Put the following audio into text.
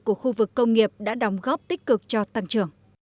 của khu vực công nghiệp đã đóng góp tích cực cho tăng trưởng